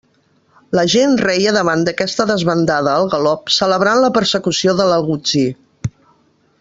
La gent reia davant d'aquesta desbandada al galop, celebrant la persecució de l'algutzir.